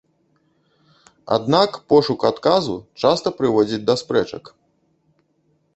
Аднак пошук адказу часта прыводзіць да спрэчак.